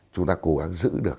chúng ta cố gắng giữ được